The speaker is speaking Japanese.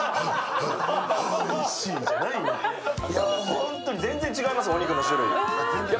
ホントに全然違います、お肉の種類。